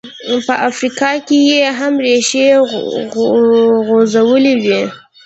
په افریقا کې یې هم ریښې غځولې وې.